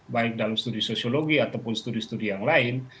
baik dalam studi sosiologi ataupun studi studi yang lain